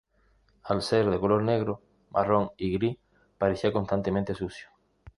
Al ser de color negro, marrón y gris parecía constantemente sucio.